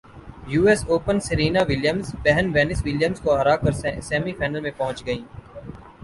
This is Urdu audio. یوایس اوپن سرینا ولیمز بہن وینس ولیمز کو ہرا کر سیمی فائنل میں پہنچ گئی